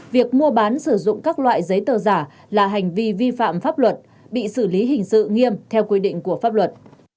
việc mua bán sử dụng các loại giấy tờ giả là hành vi vi phạm pháp luật bị xử lý hình sự nghiêm theo quy định của pháp luật